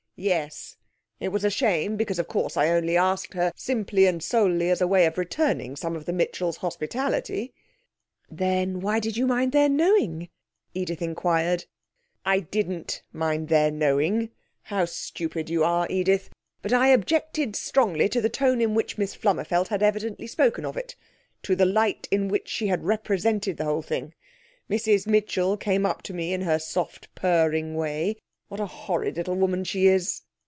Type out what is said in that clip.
'Yes, it was a shame, because of course I only asked her simply and solely as a way of returning some of the Mitchells' hospitality ' 'Then why did you mind their knowing?' Edith inquired. 'I didn't mind their knowing. How stupid you are, Edith. But I objected strongly to the tone in which Miss Flummerfelt had evidently spoken of it to the light in which she had represented the whole thing. Mrs Mitchell came up to me in her soft purring way what a horrid little woman she is!'